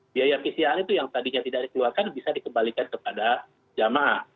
biaya pcr itu yang tadinya tidak dikeluarkan bisa dikembalikan kepada jamaah